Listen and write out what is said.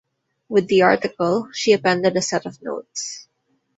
With the article, she appended a set of notes.